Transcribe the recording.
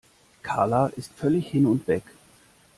Karla ist völlig hin und weg.